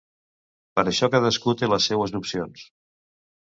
X això cadascú té les seues opcions.